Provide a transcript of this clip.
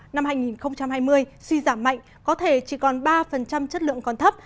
năm hai nghìn hai mươi suy giảm mạnh có thể chỉ còn ba chất lượng còn thấp